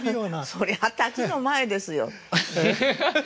そりゃあ滝の前ですよ。